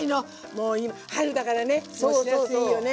もう春だからねしらすいいよね。